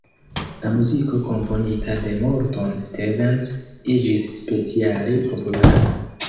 La muziko komponita de Morton Stevens iĝis speciale populara.